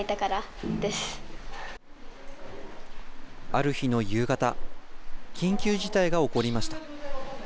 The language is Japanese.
ある日の夕方、緊急事態が起こりました。